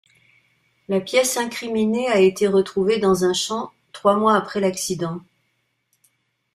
La pièce incriminée a été retrouvée dans un champ trois mois après l'accident.